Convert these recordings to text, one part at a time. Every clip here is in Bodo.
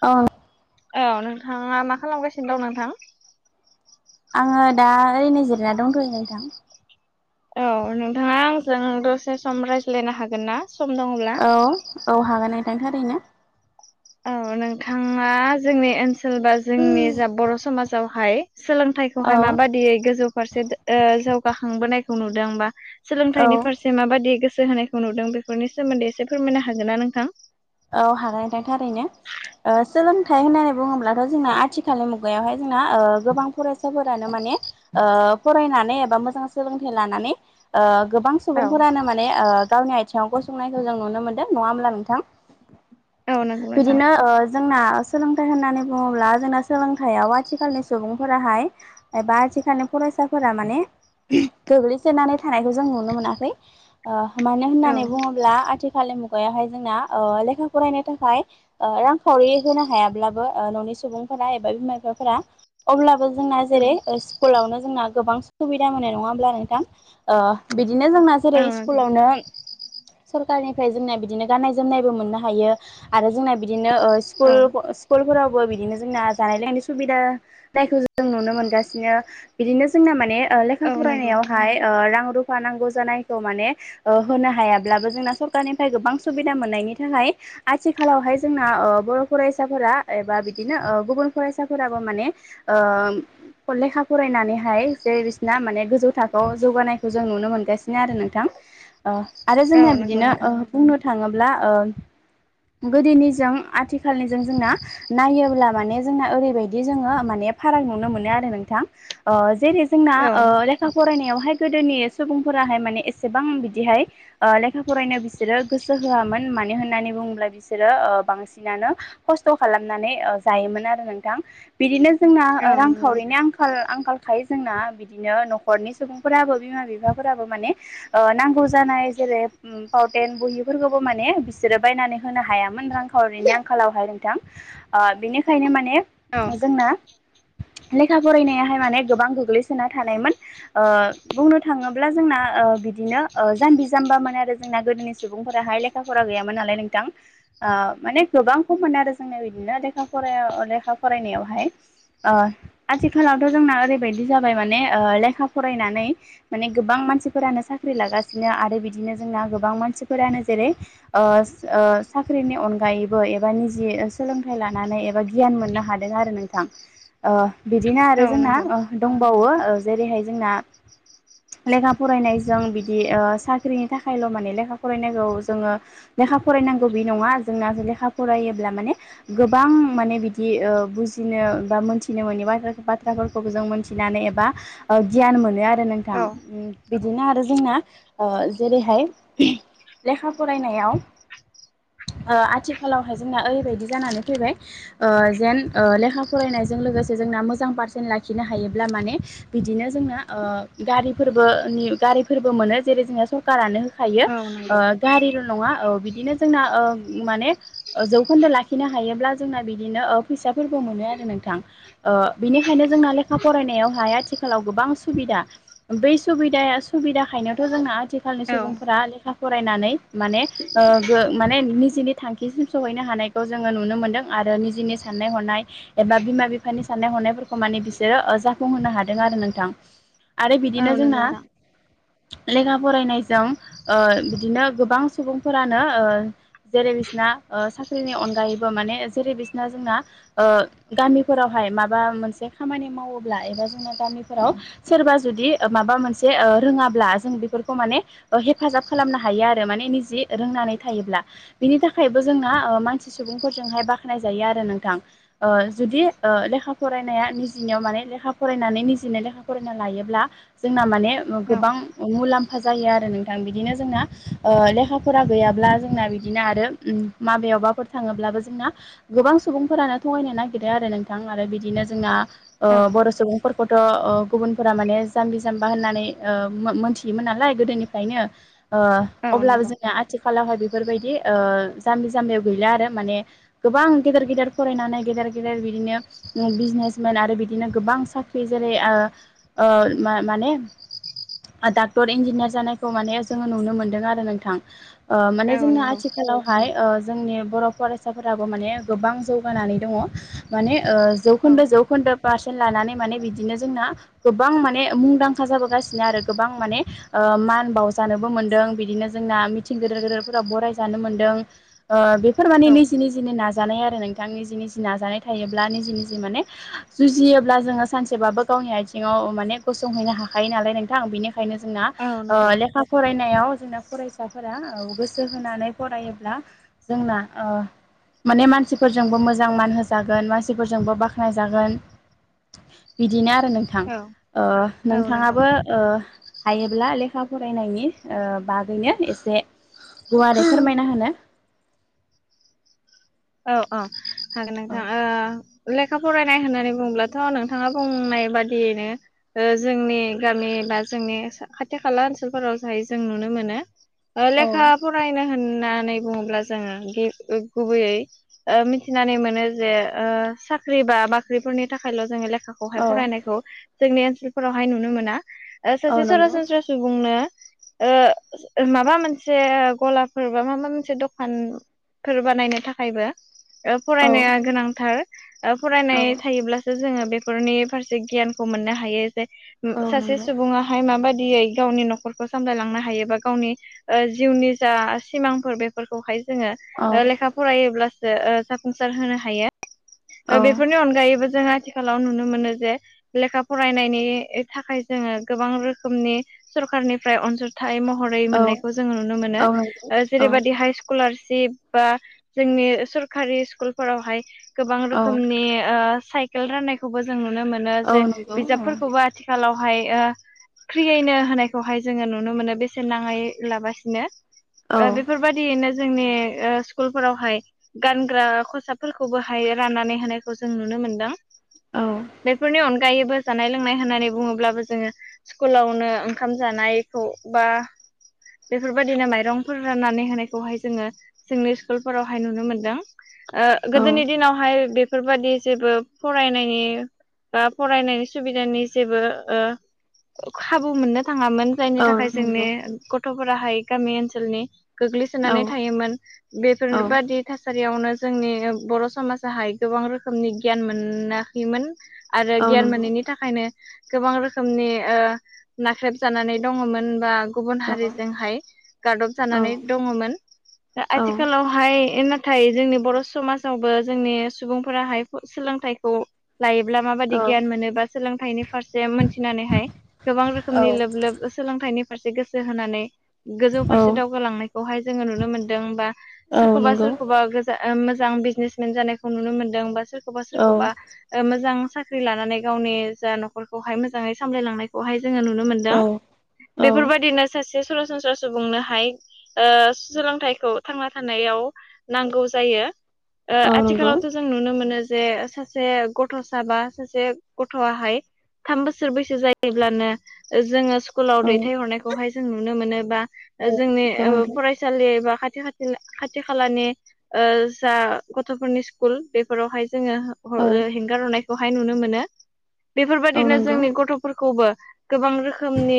औ औ नोंथाङा मा खालामगासिनो दं नोंथां? आङो दा ओरैनो जिरायना दंथ'यो नोंथां। औ नोंथाङा आंजों दसे सम रायज्लायनो हागोन ना? सम दङब्ला औ औ हागोन नोंथां थारैनो। औ नोंथाङा जोंनि ओनसोल बा जोंनि औ जा बर' समाजावहाय सोलोंथाइ खौहाय औ माबादियै गोजौ फारसे ओ जौगाखांबोनायखौ नुदों बा सोलोंथाइनि फार एसे माबादि गोसो होनायखौ नुदों बेफोरनि सोमोन्दै एसे फोरमायनो हागोन ना नोंथां? औ हानाय थां थारैनो। ओसोलोंथाइ होननानै बुङोब्लाथ' जोंना आथिखालनि मुगायावहाय जोंना ओ गोबां फरायसाफोरानो माने ओ फरायनानै एबा मोजां सोलोंथाइ लानानै ओ गोबां औ सुबुंफोरानो माने ओ गावनि आथिङाव गसंनायखौ जों नुनो मोनदों। नङा होमब्ला नोंथां? औ नंगौ नोंथां बिदिनो ओ जोंना सोलोंथाइ होननानै बुङोब्ला जोंना सोलोंथाइयाव आथिखालनि सुबुंफोराहाय एबा आथिखालनि फरायसाफोरा माने गोग्लैसोनानै थानायखौ जों नुनो मोनाखै। ओ मानो औ होननानै बुङोब्ला आथिखालनि मुगायावहाय जोंना ओ लेखा फरायनो थाखाय ओ रांखावरि होनो हायाब्लाबो ओ न'नि सुबुंफोरा एबा बिमा बिफाफोरा अब्लाबो जोंना जेरै औ स्कुलावनो जोंना गोबां सुबिदा मोनो नङा होमब्ला नोंथां? ओ बिदिनो जोंना जेरै औ नंगौ स्कुलावनो सरखारनिफ्राय जोंनाया बिदिनो गाननाय जोमनायबो मो हायो आरो जोंना बिदिनो उह औ स्कुल स्कुलफोरावबो बिदिनो जोंना जानाय लोंनायनि सुबिदा जायखौ जों नुनो मोनगासिनो। बिदिनो जोंना माने ओ लेखा औ नंगौ फरायनायावहाय ओ रां रु फा नांगौ जानायखौ माने ओ होनो हायाब्लाबो जोंना सरखारनिफ्राय गोबां सुबिदा मोननायनि थाखाय आथिखालावहाय जोंना ओ बर' फरायसाफोरा एबा बिदिनो ओ गुबुन फरायसाफोराबो माने ओम लेखा फरायनानैहाय जे बिसिना मान गोजौ थाखोआव जौगानायखौ जों नुनो मोनगासिनो आरो नोंथां। ओ आरो औ जोंनिया नंगौ बिदिनो नोंथां ओ बुंनो थाङोब्ला ओम गोदोनिजों आथिखालनिजों जोंना नायोब्ला माने जोंना ओरैबायदि जोङो माने फाराग नुनो मोनो आरो नोंथां। ओ जेरै जोंना औ ओ लेखा फरायनायावहाय गोदोनि सुबुंफोराहाय माने एसेबां बिदिहाय ओ लेखा फरायनो बिसोरो गोसो होआमोन मानो होननानै बुङोब्ला बिसोरो ओ बांसिनानो खस्थ' खालामनानै जायोमोन आरो नोंथां बिदिनो जोंना औ नंगौ रांखावरिनि आंखाल आंखाल खाय जोंना बिदिनो न'खरनि सुबुंफोराबो बिमा बिफाफोराबो माने ओ नांगौ जानाय जेरै उम पावउटेन बहिफोरखौबो माने बिसोरो बायनानै होनो हायामोन रां खावरिनि आंखालावहाय नोंथां। ओ बिनिखायनो माने औ जोंना लेखा फरायनायाहाय माने गोबां गोग्लैसोना थानायमोन। ओ बुंनो थाङोब्ला जोंना ओ बिदिनो ओ जाम्बि जाम्बामोन आरो जोंना गोदोनि सुबुंफोराहाय लेखा फरा गैयामोन। मोन नालाय नोंथां ओ माने गोबां खमोन आरो जोंना बिदिनो लेखा फरायाव लेखा फरायनायावहाय। ओ आथिखालावथ' जोंना ओरैबायदि जाबाय माने लेखा फरायनानै माने गोबां मानसिफोरानो साख्रि लागासिनो आरो बिदिनो जोंना गोबां मानसिफोरानो जेरै ओस ओ साख्रिनि अनगायैबो एबा निजे सोलोंथाइ लानानै एबा गियान मोननो हादों आरो नोंथां बिदिनो आरो औ जोंना नंगौ दंबावो ओ जेरैहाय जोंना लेखा फरायनायजों बिदि साख्रिनि थाखायल' माने लेखा फरायनायखौ जोङो लेखा फरायनांगौ बे नङा जोंना जे लेखा फरायोब्ला माने गोबां माने बिदि बुजिनो बा मोनथिनो मोननि बाथ बाथ्राफोरखौ जों मोनथिनानै एबा गियान मोनो आरो नोंथां। औ बिदिनो आरो जोंना ओ जेरैहाय लेखा फरायनायाव आथिखालावहाय जोंना ओरैबायदि जानानै फैबाय ओ जेन ओ लेखा फरायनायजों लोगोसे जोंना मोजां पारसेन्ट लाखिनो हायोब्ला माने बिदिनो जोंना ओ गारिफोरबो नि गारिफोरबो मोनो जेरै जोङो सर कारानो होखायो औ ओ नंगौ गारिल' नङा ओ बिदिनो जोंना ओ माने जौखोन्दो लाखिनो हायोब्ला जोंना बिदिनो फैसाफोरखौ मोनो आरो नोंथां। ओ बिनिखायनो जोंना लेखा फरायनायावहाय आथिखालाव गोबां सुबिदा। बै सुबिदाया सुबिदाखायनोथ' जोंना आथिखालनि औ सुबुंफोरा लेखा फरायनानै माने ओ गो माने निजिनि थांखिसिम सहैनो हानायखौ जोङो नुनो मोन्दों आरो निजिनि साननाय हनाय एबा बिमा बिफानि साननाय हनायफोरखौ माने बिसोरो ओ जाफुंहोनो हादों आरो नोंथां। आरो औ बिदिनो नंगौ जोंना नोंथां लेखा फरायनायजों ओ बिदिनो गोबां सुबुंफोरानो ओ जेरै बिसना साख्रिनि अनगायैबो माने जेरै बिसना जोंना ओ गामिफोरावहाय माबा मोनसे खामानि मावोब्ला एबा जोंना गामिफोराव सोरबा जुदि माबा मोनसे ओ रोङाब्ला जों बेफोरखौ माने ओ हेफाजाब खालामनो हायो आरो माने निजि रोंनानै थायोब्ला बिनि थाखायबो जोंना मानसि सुबुंफोरजोंहाय बाख्नाय जायो आरो नोंथां। ओ जुदि ओ लेखा फरायनाया निजिनियाव माने लेखा फरायनानै निजिनेनो लेखा फरायना लायोब्ला जोंना माने औ गोबां मुलाम्फा जायो आरो नोंथां बिदिनो जोंना ओ लेखा फरा गैयाब्ला जोंना बिदिनो आरो उम माबेवबाफोर थाङोब्लाबो जोंना गोबां सुबुंफोरानो थगायनो नागिरो आरो नोंथां आरो बिदिनो जोंना ओ औ बर' सुबुं फोरखोथ' ओ गुबुनफोरा माने जाम्बि जाम्बा होननानै ओ मो मोनथियोमोन नालाय गोदोनिफ्रायनो ओ औ अब्लाबो नंगौ जोंनिया आथिखालावहाय बेफोरबायदि ओ जाम्बि जाम्बियाव गैला आरो माने गोबां गेदेर गेदेर फरायनानै गेदेर गेदेर बिदिनो उम बिजनेसमेन आरो बिदिनो गोबां साख्रि जेरै ओ ओ मा-माने आ डाक्टर इन्जिनियार जानायखौ माने जोङो नुनो मोनदों आरो नोंथां। माने औ जोंना नंगौ आथिखालाव हाय जोंनि बर' फरायसाफोराबो माने गोबां जौगानानै दङ माने ओ औ जौखोन्दो जौखोन्दो पारसेन्ट लानानै माने बिदिनो जोंना गोबां माने मुंदांखा जाबोगासिनो आरो गोबां माने ओ मान बावजानोबो मोन्दों बिदिनो दा मिथिं गिदिर गिदिरफोराव बरायजानो मोनदों ओ बेफोर माने औ निजि निजिनि नाजानाय जानाय आरो नोंथांनि जिनिसनि नाजानाय थायोब्ला निजि निजि माने जुजियोब्ला जोङो सानसेबाबो गावनि आथिङाव माने गसंहैनो हाखायो नालाय नोंथां बेनिखायनो जोंना औ ओ नंगौ लेखा फरायनायाव जोंना फरायसा साफोरा औ गोसो होनानै फरायोब्ला जोंना ओ माने मानसिफोरजोंबो मोजां मान होजागोन मानसिफोरजोंबो बाख्नायजागोन। बिदिनो आरो नोंथां औ उह औ नंगौ नोंथाङाबो हायोब्ला लेखा फरायनायनि बागैनो ए एसे गुवारै फोरमायना होनो औ औ हागोन औ नोंथां उह लेखा फरायनाय होननानै बुङोब्लाथ' नोंथाङा बुंनाय बादियैनो जोंनि गामि बा जोंनि खाथि खाला ओनसोलफोराव जाहाय जों नुनो मोनो लेखा औ फरायनो होननानै बुङोब्ला जोङो गुबैयै मिथिनानै मोनो जे साख्रि बा बाख्रिफोरनि थाखायल' जोङो लेखा खौहाय औ फरायनायखौ जोंनि ओन्सोलफोरावहाय नुनो मोना ओ औ सासे नंगौ सरासनस्रा सुबुंनो ओ माबा मोनसे गलाफोर बा माबा मोनसे दखान फोर बानायनो थाखायबो औ फरायनाया गोनांथार औ फरायनाय थायोब्ला जोङो बेफोरनि फारसे गियानखौ मोननो हायो जे औ सासे नंगौ सुबुङा हाय माबादियै गावनि न'खरखौ सामलायलांनो हायो बा गावनि ओ जिउनि जा सिमांफोर बेफोरखौहाय औ जोङो लेखा फरायोब्लासो जाफुंसार होनो हायो औ बेफोरनि अनगायैबो जों आथिखालाव नुनो मोनो जे लेखा फरायनायनि थाखाय जोङो गोबां रोखोमनि सरखारनिफ्राय अनसुं थाय महरै औ मोननायखौ जोङो नुनो मोनो औ नंगौ औ जेरैबायदि हाइ स्कलारशिप बा जोंनि सरखारि स्कुलफोरावहाय गोबां औ रोखोमनि स सायकेल राननायखौबो जों नुनो मोनो औ जे नंगौ बिजाबफोरखौबो आथिखालावहाय फ्रियैनो होनायखौहाय जोङो नुनो मोनो बेसेन नाङै लाबासिनो औ बेफोरबायदियैनो जोंनि स्कुल फोरावहाय गानग्रा खसाबफोरखौबोहाय राननानै होनायखौ जों नुनो मोनदों औ बेफोरनि अनगायैबो जानाय लोंनाय होननानै बुङोब्लाबो जोङो स्कुलावनो ओंखाम जानायखौ बा बेफोरबायदिनो माइरंफोर राननानै होनायखौहाय जोङो जोंनि स्कुलफोरावहाय नुनो मोनदों औ गोदोनि दिनावहाय बे बेफोरबादि जेबो फरायनायनि बा फरायनायनि सुबिदानि जेबो खाबु मोननो थाङामोन जायनि औ थाखाय जोंनि नंगौ गथ'फोराहाय गामि ओनसोलनि औ गोग्लैसोनानै थायोमोन बेफोर औ बा थासारियावनो जोंनि बर' समाजाहाय गोबां रोखोमनि गियान मोनाखैमोन आरो औ गियान नंगौ मोनैनि नि थाखायनो गोबां रोखोमनि नाख्रेब जानानै दङमोन बा गुबुन औ औ हारिजोंहाय गादब जानानै दङमोन आथिखालावहाय नाथाय जोंनि बर' समाजावबो जोंनि सुबुंफोराहाय सोलोंथाइखौ लायोब्ला औ माबायदि गियान मोनोबा सोलोंथाइनि फारसे जे मोनथिनानैहाय गोबां औ रोखोमनि लोब लोब सोलोंथाइनि फारसे गोसो होनानै गोजौ औ फारसे दावगालांनायखौहाय जोङो नुनो मोनदों बा औ सोरखौबा नंगौ सोरखौबा मोजां बिजनेसमेन जानायखौ नुनो मोनदों बा सोरखौबा औ सोरखौबा ओ मोजां साख्रि लानानै गावनि जा न'खरखौहाय मोजाङै सामलायलांनायखौहाय जोङो नुनो मोन मोनदों औ बेफोरबायदिनो सासे सरासनस्रा सुबुंनोहाय सोलोंथाइ थांना थानायाव नांगौ जायो औ नंगौ आथिखालावथ' जों नुनो मोनो जे सासे गथ'सा बा सासे गथ'आहाय थाम बोसोर बैसो जायोब्लानो जोङो स्कुलाव औ दैथायहरनायखौहाय जों नुनो मोनो बा जोंनि ओ फरायसालि बा खा खाथि खाथि खाथि खालानि ओ जा गथ'फोरनि स्कुल बेफोरावहाय जोङो औ हेंगार हरनायखौहाय नुनो मोनो औ बेफोरबायदिनो नंगौ औ नंगौ जोंनि गथ'फोरखौबो गोबां रोखोमनि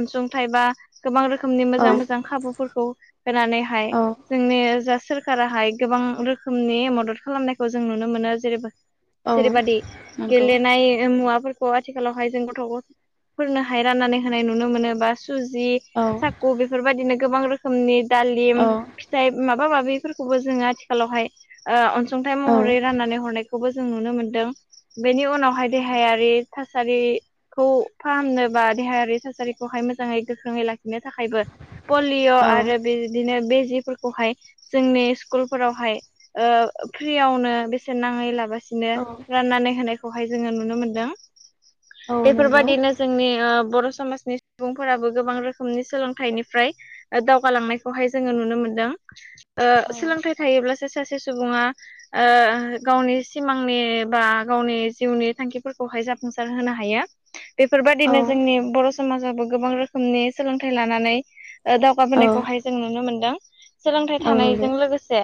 अनसुंथाइ बा गोबां रोखोमनि औ औ मोजां मोजां खाबुफोरखौ होनानैहाय औ जोंनि जा सोरखाराहाय गोबां रोखोमनि मदद खालामनायखौ जों नुनो मोनो जेरेैबो। औ जेरैबायादि औ नंगौ गेलेनाय मुवाफोरखौ आथिखालावहाय जों गथ'फोरनोहाय राननानै होनाय नुनो मोनो बा सुजि औ। बेफोरबायदिनो गोबां रोखोमनि दालिम औ फिथाइ माबा माबा माबिफोरखौबो जोङो आथिखालावहाय ओ अनसुंथाइ महरै औ राननानै हरनायखौबो जों नुनो मोनदों बेनि औ उनावहाय देहायारि थासारि खौ फाहामनो बा देहायारि थासारिखौहाय मोजाङै गोख्रोङै लाखिनो थाखायबो पलिअ' आरो बिदिनो बे जिफोरखौहाय जोंनि स्कुलफोरावहाय ओ फ्रियावनो बेसेननाङै लाबासि नो राननानै होनायखौहाय जोङो नुनो मोनदों नंगौ बेफोरबायदिनो जोंनि ओ बर' समाजनि सुबुंफोराबो गोबां रोखोमनि सोलोंथाइनिफ्राय दावगालांनाय खौहाय जोङो नुनो मोनदों ओ सोलोंथाइ थायोब्लासो सासे सुबुङा ओ गावनि सिमांनि बा गावनि जिउनि थांखिफोरखौहाय जाफुंसार होनो हायो। [inaudible] बेफोरबायदिनो जोंनि बर' समाजावबो गोबां रोखोमनि सोलोंथाइ लानानै ओ औ दावगाबोनायखौहाय जों नुनो मोनदों सोलोंथाइ थानायजों लोगोसे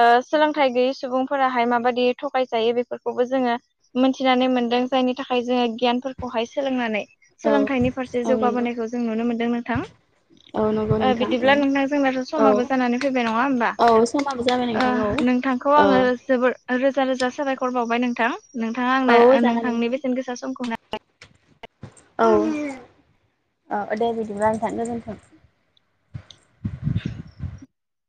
ओ सोलोंथाइ गैयै सुबुंफोराहाय माबायदि थगायजायो बेफोरखौबो जोङो मोनथिनानै मोनदों जायनि थाखाय जोङो गियानफोरखौहाय सोलोंनानै सोलोंथाइनि फारसे औ नंगौ जौगाबोनायखौ जों नुनो मोनदों नोंथां औ नंगौ ओ नोंथां औ बिदिब्ला नोंथां जोंनाथ' औ समाबो जानानै फैबाय नङा होमबा औ समाबो जाबाय नोंथां ओ नोंथांखौ औ आङो जोबोर रोजा रोजा साबायखर बाउबाय नोंथां नोंथाङा औ आंनो जागोन नोंथांनि नोंथां बेसेन गोसा समखौ औ औ दे बिदिब्लाा नोंथां गोजोन्थों। [inaudible]